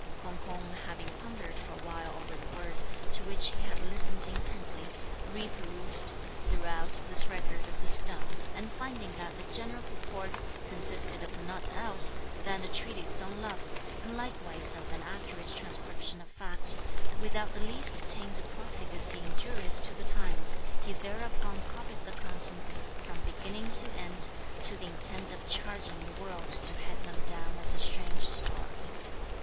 K'ung K'ung having pondered for a while over the words, to which he had listened intently, re perused, throughout, this record of the stone; and finding that the general purport consisted of nought else than a treatise on love, and likewise of an accurate transcription of facts, without the least taint of profligacy injurious to the times, he thereupon copied the contents, from beginning to end, to the intent of charging the world to hand them down as a strange story.